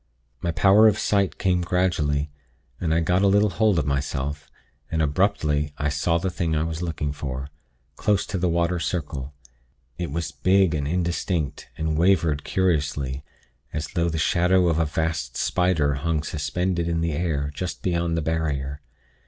"My power of sight came gradually, and I got a little hold of myself; and abruptly I saw the thing I was looking for, close to the 'water circle.' It was big and indistinct, and wavered curiously, as though the shadow of a vast spider hung suspended in the air, just beyond the barrier.